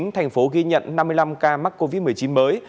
thành phố ghi nhận năm mươi năm ca mắc covid một mươi chín mới